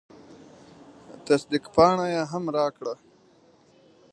تصدیق پاڼه یې هم راکړه.